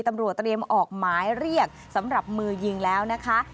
ตำรวจเตรียมออกหมายเรียกสำหรับมือยิงแล้วนะคะ